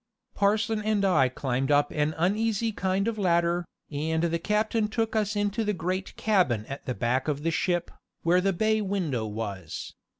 Parson and I climbed up an uneasy kind of ladder, and the captain took us into the great cabin at the back of the ship, where the bay window was.